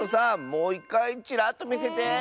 もういっかいチラッとみせて。